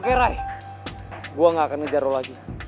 oke rai gue gak akan ngejar lo lagi